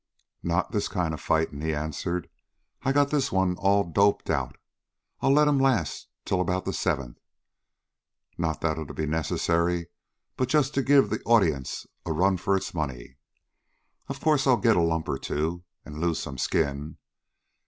"Not this kind of fightin'," he answered. "I got this one all doped out. I'll let 'm last till about the seventh. Not that it'll be necessary, but just to give the audience a run for its money. Of course, I'll get a lump or two, an' lose some skin.